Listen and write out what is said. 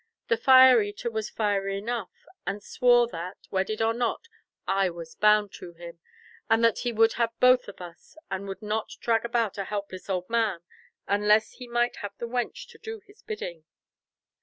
The Fire eater was fiery enough, and swore that, wedded or not, I was bound to him, that he would have both of us, and would not drag about a helpless old man unless he might have the wench to do his bidding.